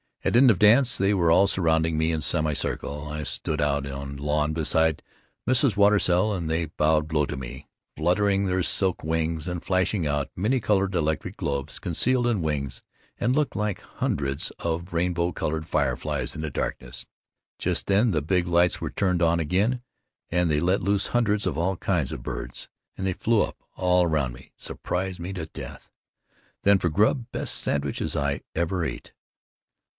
At end of dance they were all surrounding me in semi circle I stood out on lawn beside Mrs. Watersell, and they bowed low to me, fluttering their silk wings and flashing out many colored electric globes concealed in wings and looked like hundreds of rainbow colored fireflies in the darkness. Just then the big lights were turned on again and they let loose hundreds of all kinds of birds, and they flew up all around me, surprised me to death. Then for grub, best sandwiches I ever ate.